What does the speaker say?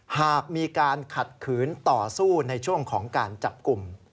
หากมีการขัดขืนต่อสู้ในช่วงของการจับกลุ่ม